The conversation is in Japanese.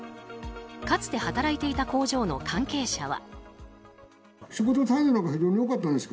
かつて働いていた工場の関係者は。